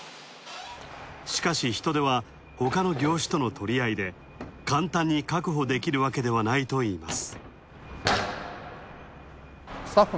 しかし人手はほかの業種との取り合いで簡単に確保できるわけではないといいます。